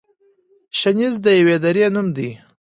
شنیز د یوې درې نوم دی.